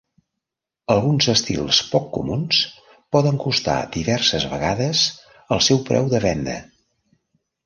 Alguns estils poc comuns poden costar diverses vegades el seu preu de venda.